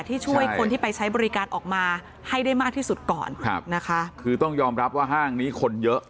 ที่ช่วยคนที่ไปใช้บริการออกมาให้ได้มากที่สุดก่อนครับนะคะคือต้องยอมรับว่าห้างนี้คนเยอะ